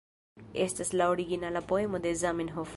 Estas la originala poemo de Zamenhof